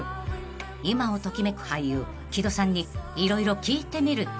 ［今を時めく俳優木戸さんに色々聞いてみると］